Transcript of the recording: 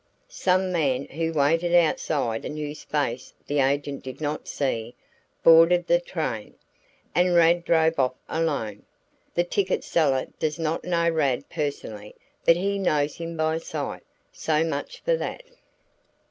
Some man who waited outside and whose face the agent did not see, boarded the train, and Rad drove off alone. The ticket seller does not know Rad personally but he knows him by sight so much for that.